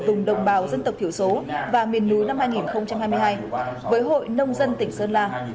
vùng đồng bào dân tộc thiểu số và miền núi năm hai nghìn hai mươi hai với hội nông dân tỉnh sơn la